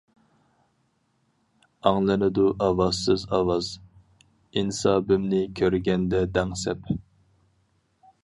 ئاڭلىنىدۇ ئاۋازسىز ئاۋاز، ئىنسابىمنى كۆرگەندە دەڭسەپ.